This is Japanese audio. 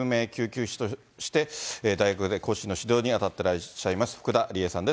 現在は救急救命士として大学で後進の指導に当たってらっしゃいます、福田理絵さんです。